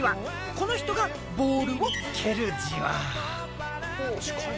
この人がボールを蹴るじわ。